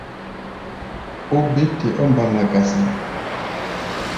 Ó bé te ɔ́ mbala-kasa.